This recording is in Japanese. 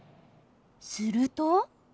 すると。